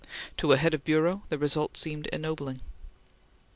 To a head of bureau, the result seemed ennobling.